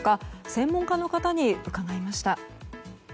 専門家の方に伺いました。